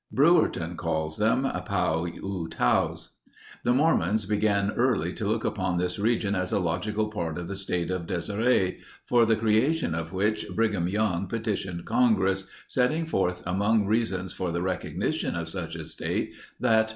Brewerton calls them Pau Eutaws. The Mormons began early to look upon this region as a logical part of the State of Deseret, for the creation of which, Brigham Young petitioned Congress, setting forth among reasons for the recognition of such a state that